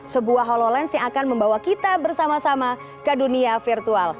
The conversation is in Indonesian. sebuah hololence yang akan membawa kita bersama sama ke dunia virtual